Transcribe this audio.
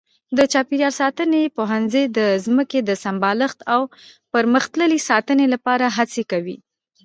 د چاپېریال ساتنې پوهنځی د ځمکې د سمبالښت او پرمختللې ساتنې لپاره هڅې کوي.